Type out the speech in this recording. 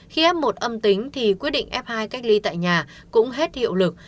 khi f một âm tính thì quyết định f hai cách ly tại nhà cũng hết hiệu lực